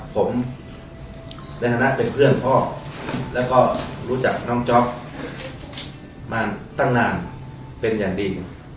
ผมในฐานะเป็นเพื่อนพ่อแล้วก็รู้จักน้องจ๊อปมาตั้งนานเป็นอย่างดี